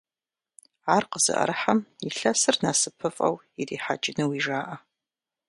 Ар къызыӀэрыхьэм илъэсыр насыпыфӀэу ирихьэкӀынуи жаӀэ.